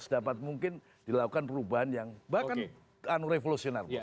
sedapat mungkin dilakukan perubahan yang bahkan revolusional